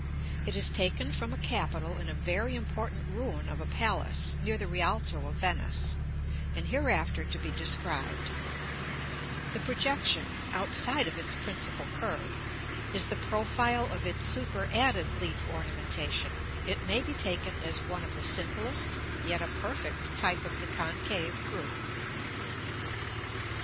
It is taken from a capital in a very important ruin of a palace, near the Rialto of Venice, and hereafter to be described; the projection, outside of its principal curve, is the profile of its superadded leaf ornamentation; it may be taken as one of the simplest, yet a perfect type of the concave group.